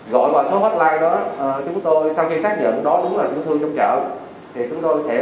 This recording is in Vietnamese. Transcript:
gọi vào số hotline đó chúng tôi sau khi xác định đó đúng là tiểu thương trong gạo thì chúng tôi sẽ